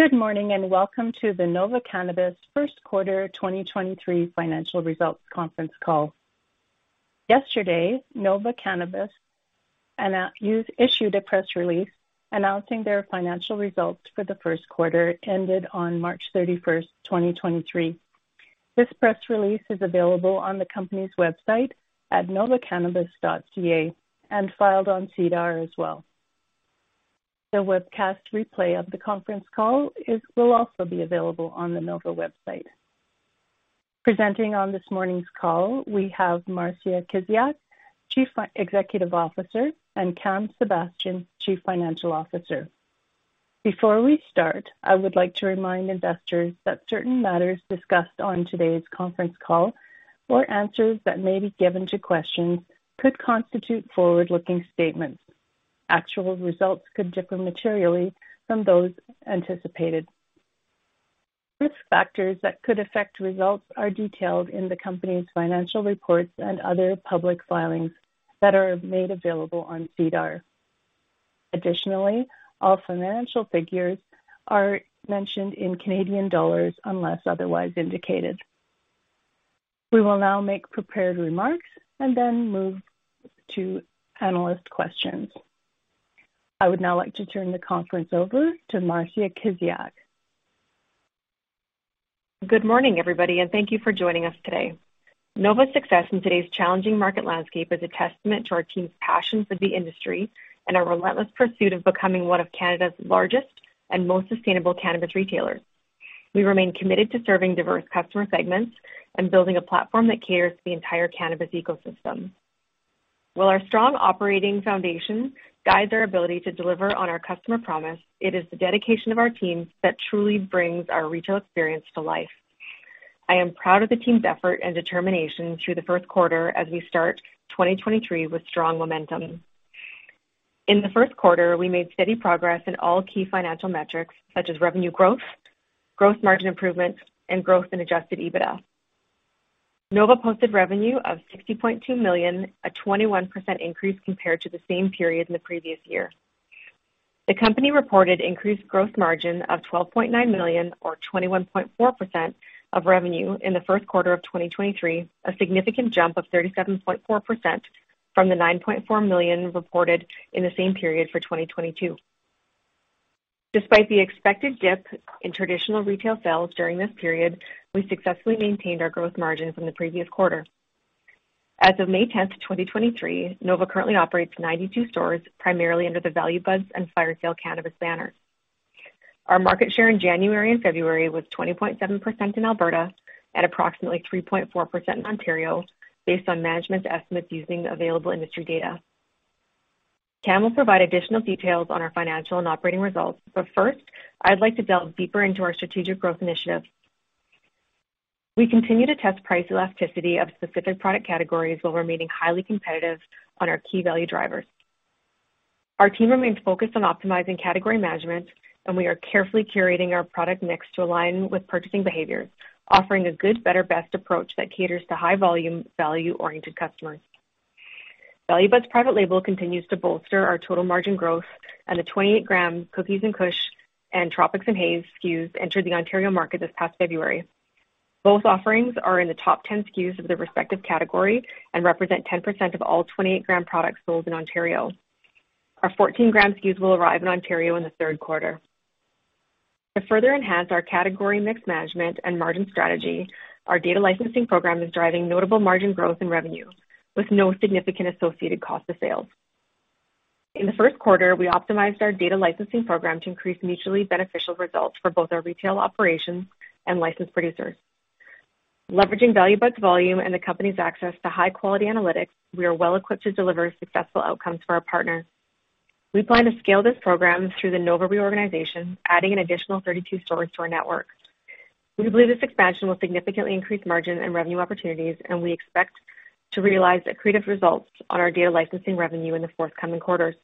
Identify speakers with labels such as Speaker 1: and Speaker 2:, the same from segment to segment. Speaker 1: Good morning. Welcome to the Nova Cannabis first quarter 2023 financial results conference call. Yesterday, Nova Cannabis issued a press release announcing their financial results for the first quarter ended on March 31, 2023. This press release is available on the company's website at novacannabis.ca and filed on SEDAR as well. The webcast replay of the conference call will also be available on the Nova website. Presenting on this morning's call, we have Marcie Kiziak, Chief Executive Officer, and Cam Sebastian, Chief Financial Officer. Before we start, I would like to remind investors that certain matters discussed on today's conference call or answers that may be given to questions could constitute forward-looking statements. Actual results could differ materially from those anticipated. Risk factors that could affect results are detailed in the company's financial reports and other public filings that are made available on SEDAR. Additionally, all financial figures are mentioned in Canadian dollars unless otherwise indicated. We will now make prepared remarks and then move to analyst questions. I would now like to turn the conference over to Marcie Kiziak.
Speaker 2: Good morning, everybody, and thank you for joining us today. Nova's success in today's challenging market landscape is a testament to our team's passion for the industry and our relentless pursuit of becoming one of Canada's largest and most sustainable cannabis retailers. We remain committed to serving diverse customer segments and building a platform that caters to the entire cannabis ecosystem. While our strong operating foundation guides our ability to deliver on our customer promise, it is the dedication of our teams that truly brings our retail experience to life. I am proud of the team's effort and determination through the first quarter as we start 2023 with strong momentum. In the first quarter, we made steady progress in all key financial metrics such as revenue growth, gross margin improvement, and growth in Adjusted EBITDA. Nova posted revenue of 60.2 million, a 21% increase compared to the same period in the previous year. The company reported increased growth margin of 12.9 million or 21.4% of revenue in the first quarter of 2023, a significant jump of 37.4% from the 9.4 million reported in the same period for 2022. Despite the expected dip in traditional retail sales during this period, we successfully maintained our growth margin from the previous quarter. As of May 10th, 2023, Nova currently operates 92 stores, primarily under the Value Buds and Firesale Cannabis banners. Our market share in January and February was 20.7% in Alberta and approximately 3.4% in Ontario based on management's estimates using the available industry data. Cam will provide additional details on our financial and operating results. First, I'd like to delve deeper into our strategic growth initiatives. We continue to test price elasticity of specific product categories while remaining highly competitive on our key value drivers. Our team remains focused on optimizing category management. We are carefully curating our product mix to align with purchasing behaviors, offering a good, better, best approach that caters to high-volume, value-oriented customers. Value Buds private label continues to bolster our total margin growth. The 28 g Cookies and Kush and Tropics and Haze SKUs entered the Ontario market this past February. Both offerings are in the top 10 SKUs of their respective category and represent 10% of all 28 gram products sold in Ontario. Our 14 g SKUs will arrive in Ontario in the third quarter. To further enhance our category mix management and margin strategy, our data licensing program is driving notable margin growth and revenue with no significant associated cost of sales. In the first quarter, we optimized our data licensing program to increase mutually beneficial results for both our retail operations and licensed producers. Leveraging Value Buds volume and the company's access to high-quality analytics, we are well equipped to deliver successful outcomes for our partners. We plan to scale this program through the Nova reorganization, adding an additional 32 stores to our network. We believe this expansion will significantly increase margin and revenue opportunities, and we expect to realize accretive results on our data licensing revenue in the forthcoming quarters.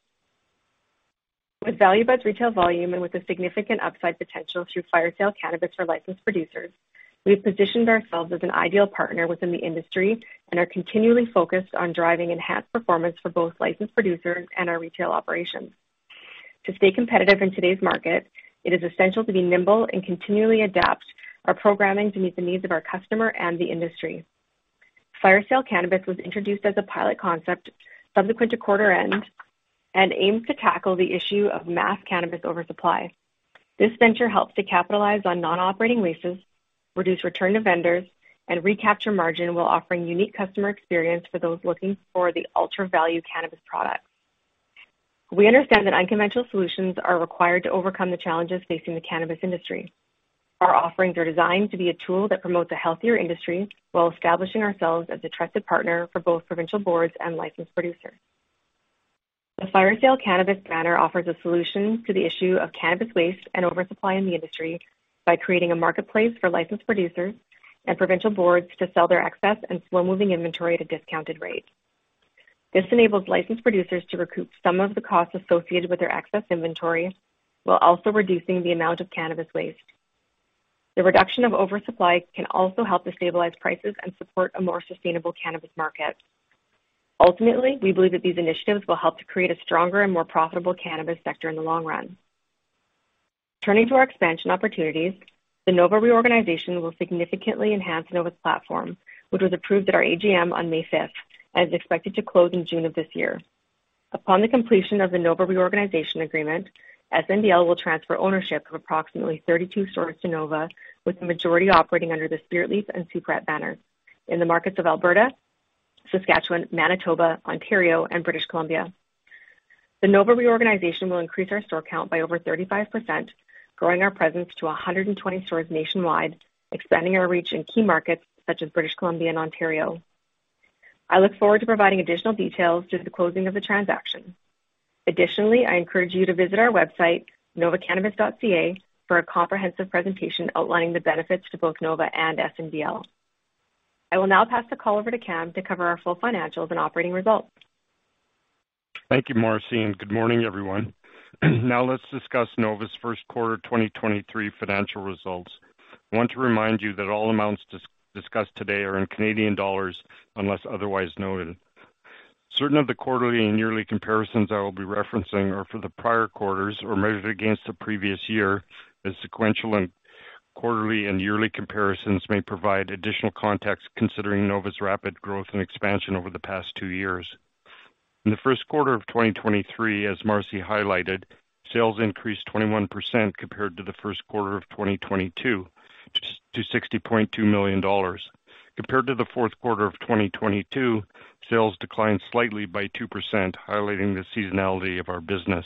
Speaker 2: With Value Buds retail volume and with a significant upside potential through Firesale Cannabis for licensed producers, we've positioned ourselves as an ideal partner within the industry and are continually focused on driving enhanced performance for both licensed producers and our retail operations. To stay competitive in today's market, it is essential to be nimble and continually adapt our programming to meet the needs of our customer and the industry. Firesale Cannabis was introduced as a pilot concept subsequent to quarter end and aims to tackle the issue of mass cannabis oversupply. This venture helps to capitalize on non-operating leases, reduce return to vendors, and recapture margin while offering unique customer experience for those looking for the ultra-value cannabis products. We understand that unconventional solutions are required to overcome the challenges facing the cannabis industry. Our offerings are designed to be a tool that promotes a healthier industry while establishing ourselves as a trusted partner for both provincial boards and licensed producers. The Firesale Cannabis banner offers a solution to the issue of cannabis waste and oversupply in the industry by creating a marketplace for licensed producers and provincial boards to sell their excess and slow-moving inventory at a discounted rate. This enables licensed producers to recoup some of the costs associated with their excess inventory while also reducing the amount of cannabis waste. The reduction of oversupply can also help to stabilize prices and support a more sustainable cannabis market. Ultimately, we believe that these initiatives will help to create a stronger and more profitable cannabis sector in the long run. Turning to our expansion opportunities, the Nova reorganization will significantly enhance Nova's platform, which was approved at our AGM on May 5 and is expected to close in June of this year. Upon the completion of the Nova reorganization agreement, SNDL will transfer ownership of approximately 32 stores to Nova, with the majority operating under the Spiritleaf and Superette banners in the markets of Alberta, Saskatchewan, Manitoba, Ontario, and British Columbia. The Nova reorganization will increase our store count by over 35%, growing our presence to 120 stores nationwide, expanding our reach in key markets such as British Columbia and Ontario. I look forward to providing additional details through the closing of the transaction. Additionally, I encourage you to visit our website, novacannabis.ca, for a comprehensive presentation outlining the benefits to both Nova and SNDL. I will now pass the call over to Cam to cover our full financials and operating results.
Speaker 3: Thank you, Marcie, and good morning, everyone. Now let's discuss Nova's first quarter 2023 financial results. I want to remind you that all amounts discussed today are in Canadian dollars, unless otherwise noted. Certain of the quarterly and yearly comparisons I will be referencing are for the prior quarters or measured against the previous year, as sequential and quarterly and yearly comparisons may provide additional context considering Nova's rapid growth and expansion over the past two years. In the first quarter of 2023, as Marcie highlighted, sales increased 21% compared to the first quarter of 2022 to 60.2 million dollars. Compared to the fourth quarter of 2022, sales declined slightly by 2%, highlighting the seasonality of our business.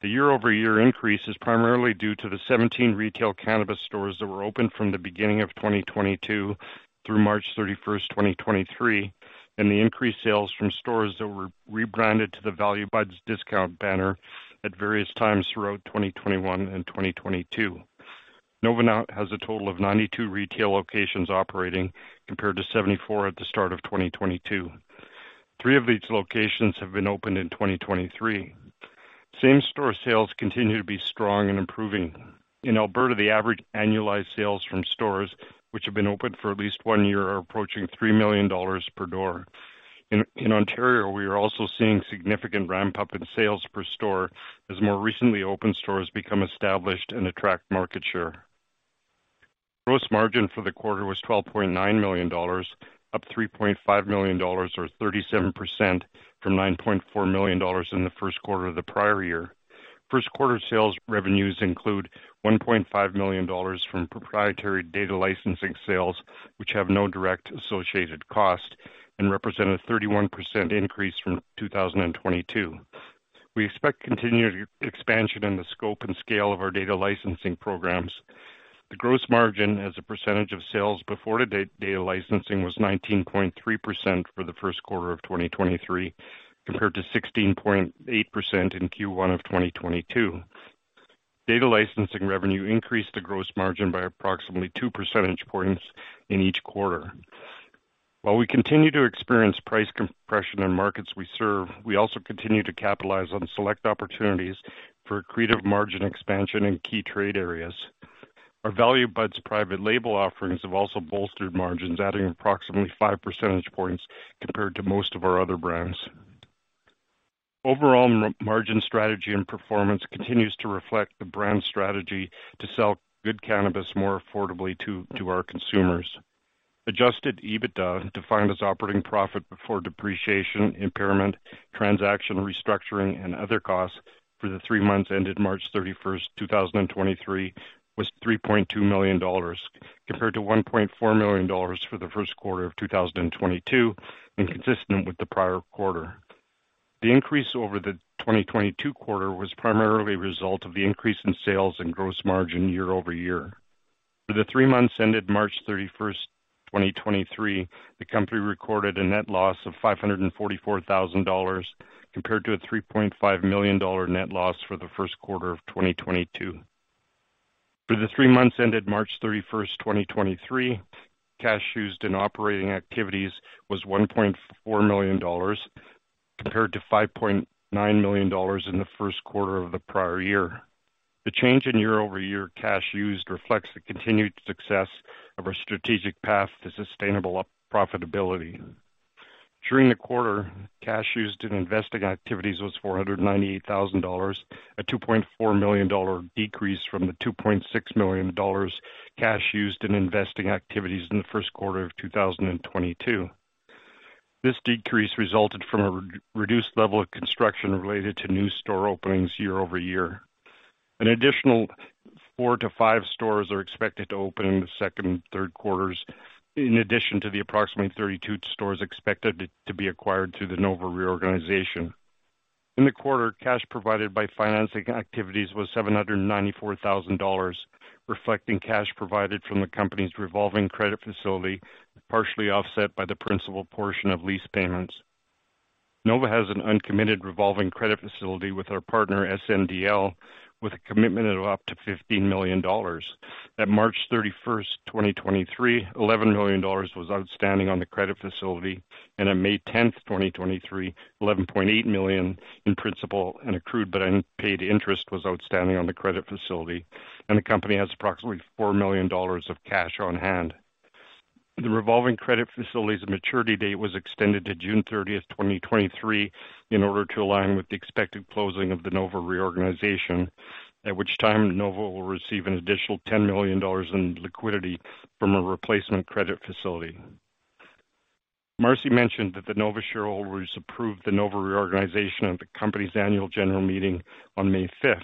Speaker 3: The year-over-year increase is primarily due to the 17 retail cannabis stores that were open from the beginning of 2022 through March 31st, 2023, and the increased sales from stores that were rebranded to the Value Buds discount banner at various times throughout 2021 and 2022. Nova now has a total of 92 retail locations operating, compared to 74 at the start of 2022. Three of these locations have been opened in 2023. Same-store sales continue to be strong and improving. In Alberta, the average annualized sales from stores which have been open for at least one year are approaching 3 million dollars per door. In Ontario, we are also seeing significant ramp-up in sales per store as more recently opened stores become established and attract market share. Gross margin for the quarter was 12.9 million dollars, up 3.5 million dollars or 37% from 9.4 million dollars in the first quarter of the prior year. First quarter sales revenues include 1.5 million dollars from proprietary data licensing sales, which have no direct associated cost and represent a 31% increase from 2022. We expect continued expansion in the scope and scale of our data licensing programs. The gross margin as a percentage of sales before data licensing was 19.3% for the first quarter of 2023, compared to 16.8% in Q1 of 2022. Data licensing revenue increased the gross margin by approximately 2 percentage points in each quarter. While we continue to experience price compression in markets we serve, we also continue to capitalize on select opportunities for accretive margin expansion in key trade areas. Our Value Buds private label offerings have also bolstered margins, adding approximately 5 percentage points compared to most of our other brands. Overall margin strategy and performance continues to reflect the brand strategy to sell good cannabis more affordably to our consumers. Adjusted EBITDA, defined as operating profit before depreciation, impairment, transaction restructuring, and other costs for the three months ended March 31, 2023, was 3.2 million dollars, compared to 1.4 million dollars for the first quarter of 2022 and consistent with the prior quarter. The increase over the 2022 quarter was primarily a result of the increase in sales and gross margin year-over-year. For the three months ended March 31, 2023, the company recorded a net loss of 544,000 dollars, compared to a 3.5 million dollar net loss for the first quarter of 2022. For the three months ended March 31, 2023, cash used in operating activities was 1.4 million dollars, compared to 5.9 million dollars in the first quarter of the prior year. The change in year-over-year cash used reflects the continued success of our strategic path to sustainable up-profitability. During the quarter, cash used in investing activities was 498,000 dollars, a 2.4 million dollar decrease from the 2.6 million dollars cash used in investing activities in the first quarter of 2022. This decrease resulted from a re-reduced level of construction related to new store openings year over year. An additional four to five stores are expected to open in the second and third quarters, in addition to the approximately 32 stores expected to be acquired through the Nova reorganization. In the quarter, cash provided by financing activities was 794,000 dollars, reflecting cash provided from the company's revolving credit facility, partially offset by the principal portion of lease payments. Nova has an uncommitted revolving credit facility with our partner SNDL, with a commitment of up to 15 million dollars. At March 31, 2023, 11 million dollars was outstanding on the credit facility. On May 10, 2023, 11.8 million in principal and accrued but unpaid interest was outstanding on the credit facility. The company has approximately 4 million dollars of cash on hand. The revolving credit facility's maturity date was extended to June 30, 2023, in order to align with the expected closing of the Nova reorganization. At which time, Nova will receive an additional 10 million dollars in liquidity from a replacement credit facility. Marcie mentioned that the Nova shareholders approved the Nova reorganization at the company's annual general meeting on May 5.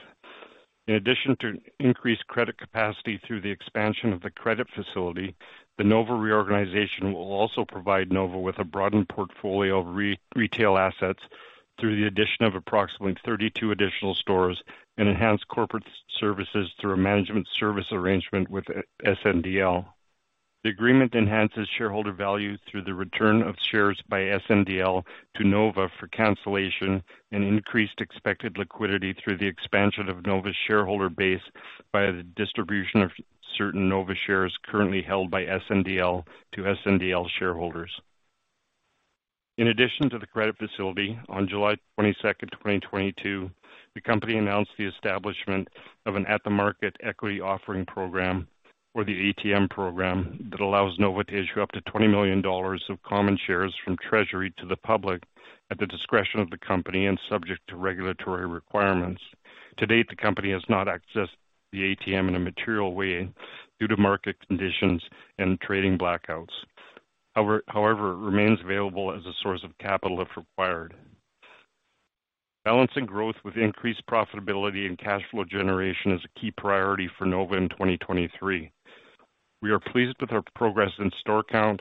Speaker 3: In addition to increased credit capacity through the expansion of the credit facility, the Nova reorganization will also provide Nova with a broadened portfolio of re-retail assets through the addition of approximately 32 additional stores and enhanced corporate services through a management service arrangement with SNDL. The agreement enhances shareholder value through the return of shares by SNDL to Nova for cancellation and increased expected liquidity through the expansion of Nova's shareholder base by the distribution of certain Nova shares currently held by SNDL to SNDL shareholders. In addition to the credit facility, on July 22nd, 2022, the company announced the establishment of an at-the-market equity offering program, or the ATM program, that allows Nova to issue up to 20 million dollars of common shares from Treasury to the public at the discretion of the company and subject to regulatory requirements. To date, the company has not accessed the ATM in a material way due to market conditions and trading blackouts. However, it remains available as a source of capital if required. Balancing growth with increased profitability and cash flow generation is a key priority for Nova in 2023. We are pleased with our progress in store count,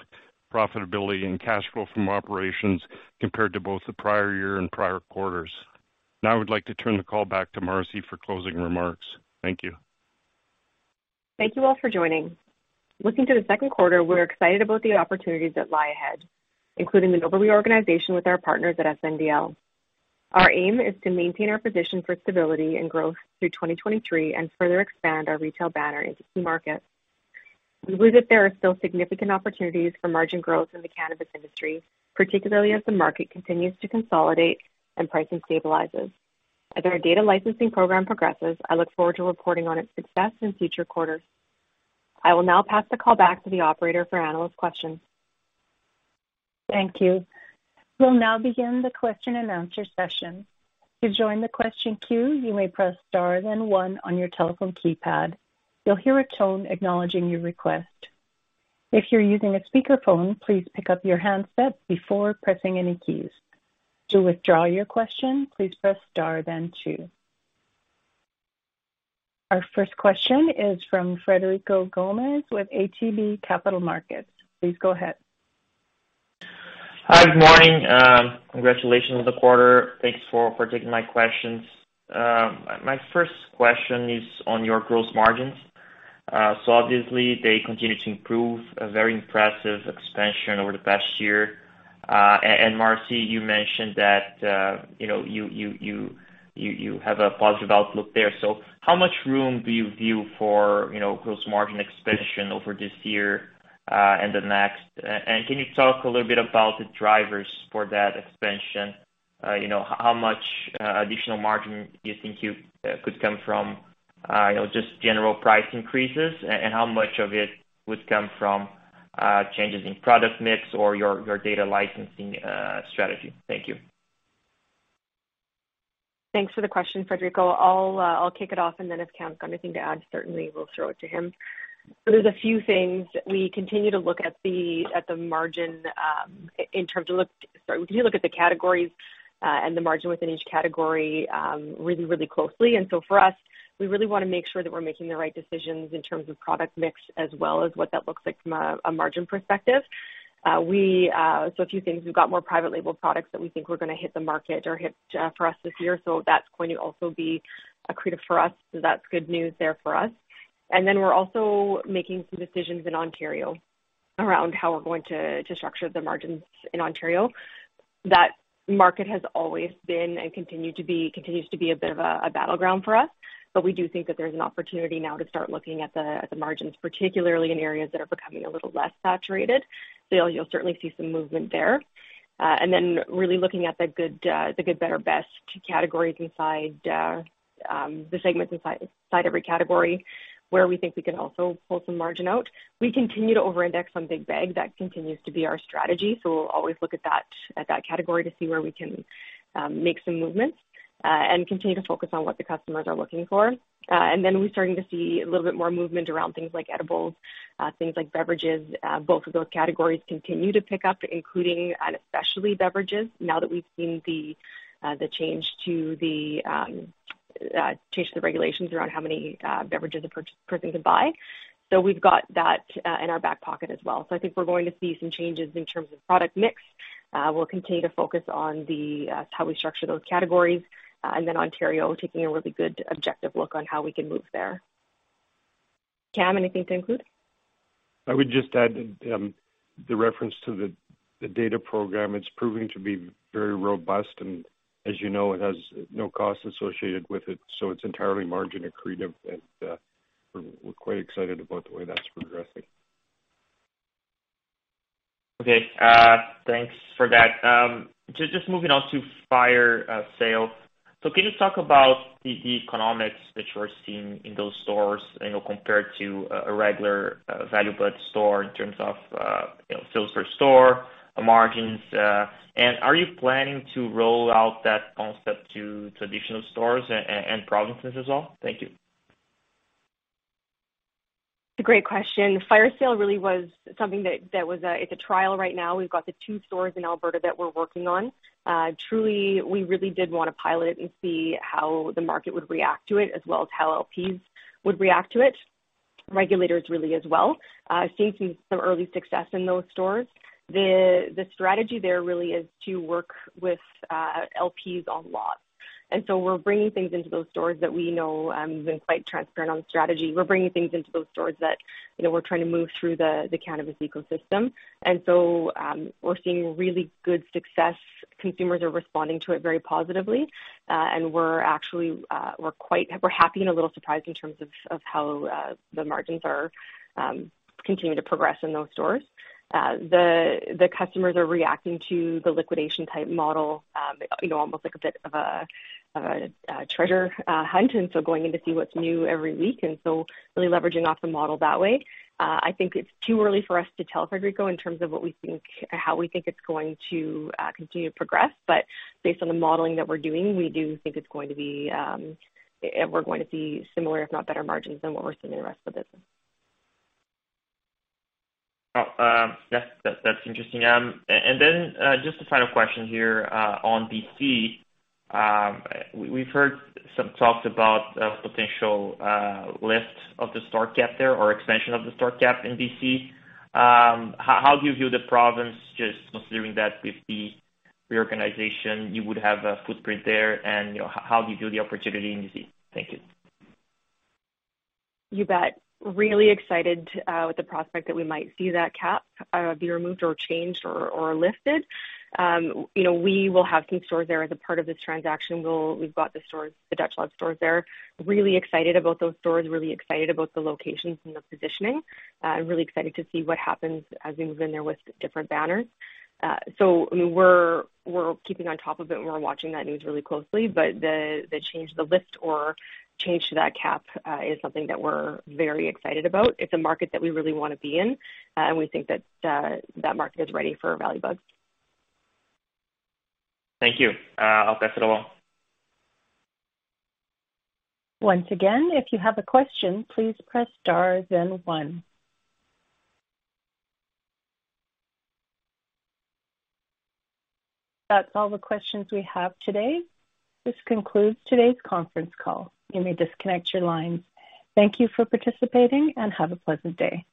Speaker 3: profitability, and cash flow from operations compared to both the prior year and prior quarters. Now I would like to turn the call back to Marcie for closing remarks. Thank you.
Speaker 2: Thank you all for joining. Looking to the second quarter, we're excited about the opportunities that lie ahead, including the Nova reorganization with our partners at SNDL. Our aim is to maintain our position for stability and growth through 2023 and further expand our retail banner into key markets. We believe that there are still significant opportunities for margin growth in the cannabis industry, particularly as the market continues to consolidate and pricing stabilizes. As our data licensing program progresses, I look forward to reporting on its success in future quarters. I will now pass the call back to the operator for analyst questions.
Speaker 1: Thank you. We'll now begin the question-and-answer session. To join the question queue, you may press star then 1 on your telephone keypad. You'll hear a tone acknowledging your request. If you're using a speakerphone, please pick up your handset before pressing any keys. To withdraw your question, please press star then two. Our first question is from Frederico Gomes with ATB Capital Markets. Please go ahead.
Speaker 4: Hi, good morning. Congratulations on the quarter. Thanks for taking my questions. My first question is on your gross margins. Obviously they continue to improve, a very impressive expansion over the past year. Marcie, you mentioned that, you know, you have a positive outlook there. How much room do you view for, you know, gross margin expansion over this year and the next? Can you talk a little bit about the drivers for that expansion? You know, how much additional margin you think you could come from, you know, just general price increases, how much of it would come from changes in product mix or your data licensing strategy? Thank you.
Speaker 2: Thanks for the question, Frederico. I'll kick it off, and then if Cam's got anything to add, certainly we'll throw it to him. There's a few things. We continue to look at the categories, and the margin within each category, really closely. For us, we really wanna make sure that we're making the right decisions in terms of product mix as well as what that looks like from a margin perspective. A few things. We've got more private label products that we think were gonna hit the market or hit for us this year, that's going to also be accretive for us. That's good news there for us. We're also making some decisions in Ontario around how we're going to structure the margins in Ontario. That market has always been and continues to be a bit of a battleground for us. We do think that there's an opportunity now to start looking at the margins, particularly in areas that are becoming a little less saturated. You'll certainly see some movement there. Then really looking at the good, better, best categories inside the segments inside every category where we think we can also pull some margin out. We continue to over-index on big bag. That continues to be our strategy. We'll always look at that, at that category to see where we can make some movements and continue to focus on what the customers are looking for. Then we're starting to see a little bit more movement around things like edibles, things like beverages. Both of those categories continue to pick up, including and especially beverages now that we've seen the change to the regulations around how many beverages a per-person can buy. We've got that in our back pocket as well. I think we're going to see some changes in terms of product mix. We'll continue to focus on how we structure those categories, then Ontario taking a really good objective look on how we can move there. Cam, anything to include?
Speaker 3: I would just add, the reference to the data program. It's proving to be very robust, and as you know, it has no cost associated with it, so it's entirely margin accretive. We're quite excited about the way that's progressing.
Speaker 4: Okay. thanks for that. just moving on to Firesale. can you talk about the economics that you are seeing in those stores, you know, compared to a regular Value Buds store in terms of, you know, sales per store, margins, and are you planning to roll out that concept to traditional stores and provinces as well? Thank you.
Speaker 2: It's a great question. Firesale really was something. It's a trial right now. We've got the two stores in Alberta that we're working on. Truly, we really did wanna pilot it and see how the market would react to it, as well as how LPs would react to it, regulators really as well. Seeing some early success in those stores. The strategy there really is to work with LPs on lots. We're bringing things into those stores that we know, we've been quite transparent on the strategy. We're bringing things into those stores that, you know, we're trying to move through the cannabis ecosystem. We're seeing really good success. Consumers are responding to it very positively. We're actually, we're happy and a little surprised in terms of how the margins are continuing to progress in those stores. The customers are reacting to the liquidation type model, you know, almost like a bit of a treasure hunt, and so going in to see what's new every week, and so really leveraging off the model that way. I think it's too early for us to tell, Frederico, in terms of how we think it's going to continue to progress. Based on the modeling that we're doing, we do think it's going to be, we're going to see similar, if not better margins than what we're seeing in the rest of the business.
Speaker 4: That's interesting. Just a final question here, on BC. We've heard some talks about a potential lift of the store cap there or expansion of the store cap in BC. How do you view the province just considering that with the reorganization you would have a footprint there and, you know, how do you view the opportunity in BC? Thank you.
Speaker 2: You bet. Really excited with the prospect that we might see that cap be removed or changed or lifted. you know, we will have some stores there as a part of this transaction. We've got the stores, the Dutch Love stores there. Really excited about those stores, really excited about the locations and the positioning. I'm really excited to see what happens as we move in there with different banners. we're keeping on top of it, and we're watching that news really closely. The, the change, the lift or change to that cap is something that we're very excited about. It's a market that we really wanna be in, we think that market is ready for Value Bud.
Speaker 4: Thank you. I'll pass it along.
Speaker 1: Once again, if you have a question, please press star then one. That's all the questions we have today. This concludes today's conference call. You may disconnect your lines. Thank you for participating and have a pleasant day.